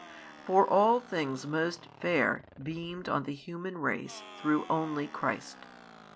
For all things most fair beamed on the human race through only Christ.